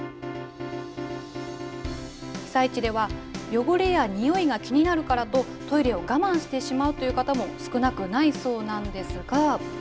被災地では汚れや臭いが気になるからとトイレを我慢してしまうという方も、少なくないそうなんですが。